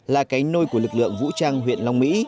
là cái nôi của lực lượng vũ trang huyện long mỹ